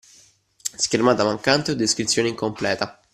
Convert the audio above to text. Schermata mancante o descrizione incompleta.